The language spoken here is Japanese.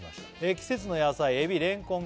「季節の野菜エビレンコン